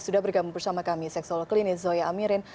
sudah bergabung bersama kami seksual klinis zoya amirin